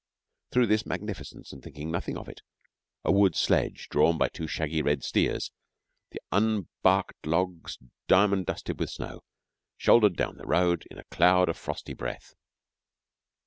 Through this magnificence, and thinking nothing of it, a wood sledge drawn by two shaggy red steers, the unbarked logs diamond dusted with snow, shouldered down the road in a cloud of frosty breath.